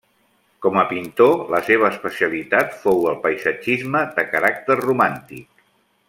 Com a pintor, la seva especialitat fou el paisatgisme de caràcter romàntic.